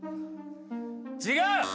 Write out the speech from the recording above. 違う！